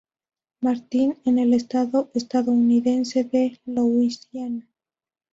Martin en el estado estadounidense de Luisiana.